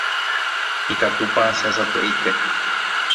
Ikatúpa asẽ sapy'aite.